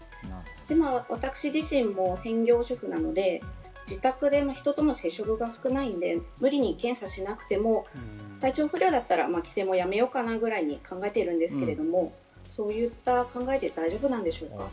でも私自身も専業主婦なので、自宅で人との接触が少ないので無理に検査しなくても体調不良だったら帰省もやめようかなくらいに考えているんですけど、そういった考えで大丈夫なんでしょうか？